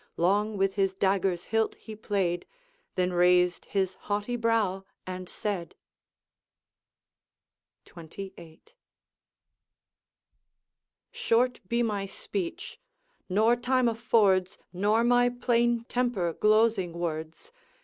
Long with his dagger's hilt he played, Then raised his haughty brow, and said: XXVIII. 'Short be my speech; nor time affords, Nor my plain temper, glozing words.